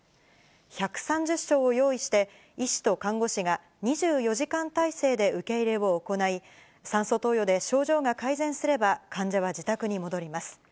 １３０床を用意して、医師と看護師が２４時間態勢で受け入れを行い、酸素投与で症状が改善すれば、患者は自宅に戻ります。